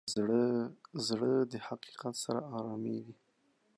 زړه د حقیقت سره ارامېږي.